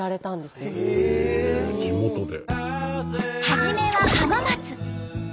初めは浜松。